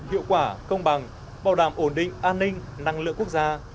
hiệu quả công bằng bảo đảm ổn định an ninh năng lượng quốc gia